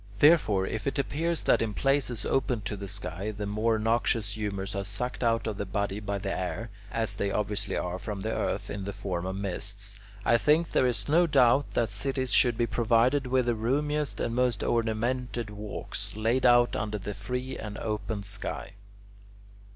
Therefore, if it appears that in places open to the sky the more noxious humours are sucked out of the body by the air, as they obviously are from the earth in the form of mists, I think there is no doubt that cities should be provided with the roomiest and most ornamented walks, laid out under the free and open sky.